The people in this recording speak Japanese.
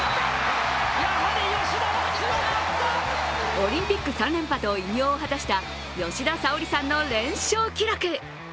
オリンピック３連覇と偉業を果たした吉田沙保里さんの連勝記録。